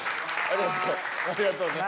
ありがとうね。